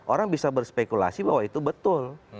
orang bisa berspekulasi bahwa itu betul